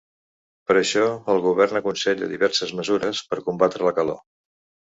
Per això el govern aconsella diverses mesures per combatre la calor.